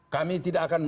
kami tidak akan